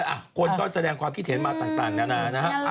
อ่ะคนก็แสดงความคิดเห็นมาต่างนานานะฮะ